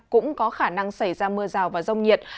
cũng có khả năng xảy ra mưa rào và rông nhiệt